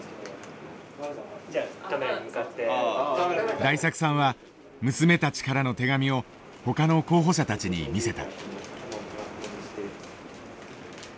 大作さんは娘たちからの手紙をほかの候補者たちに見せた。